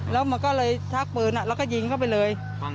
แล้วมันก็เลยชักปืนแล้วก็ยิงเข้าไปเลย